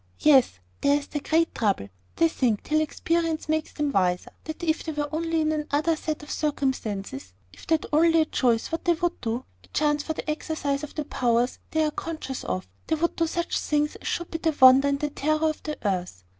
"Yes: there is their great trouble. They think, till experience makes them wiser, that if they were only in another set of circumstances, if they only had a choice what they would do, a chance for the exercise of the powers they are conscious of, they would do such things as should be the wonder and the terror of the earth.